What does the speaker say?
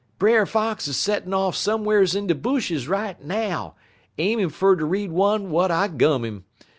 'Brer Fox is settin' off some'rs in de bushes right now, aimin' fer ter read one w'at I gun 'im.